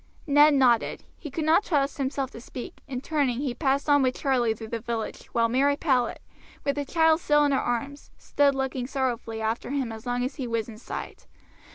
Ned nodded. He could not trust himself to speak, and turning he passed on with Charlie through the village, while Mary Powlett, with the child still in her arms, stood looking sorrowfully after him as long as he was in sight.